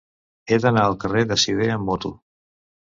He d'anar al carrer de Sidé amb moto.